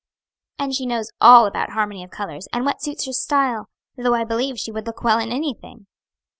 "And she knows all about harmony of colors, and what suits her style; though I believe she would look well in anything."